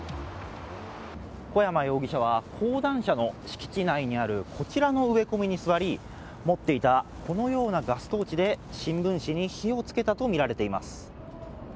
小山容疑者は講談社の敷地内にあるこちらの植え込みに座り持っていたガストーチで新聞紙に火を付けたとみられています。